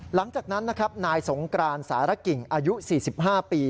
หลังจากนั้นนะครับนายสงกรานสารกิ่งอายุ๔๕ปี